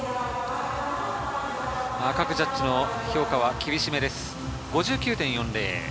各ジャッジの評価は厳しめです。